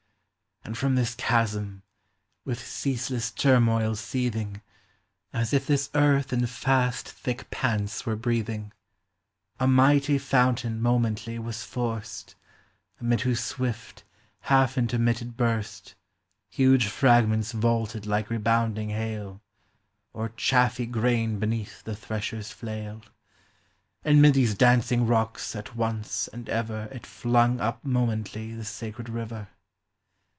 And from this chasm, with ceaseless turmoil seething, As if this earth in fast thick pants were breathing, A mighty fountain momently was forced, Amid whose swift, half intermitted burst Huge fragments vaulted like rebounding hail, Or chaffy grain beneath the thresher's flail ; And mid these dancing rocks at once and ever It flung up momently the sacred river.